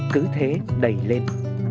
cứ thế đầy lên